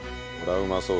うまそう。